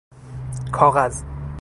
کاغذ